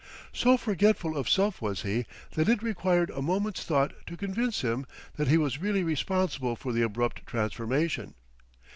So forgetful of self was he, that it required a moment's thought to convince him that he was really responsible for the abrupt transformation.